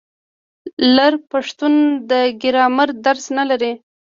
لر پښتون د ګرامر درس نه لري.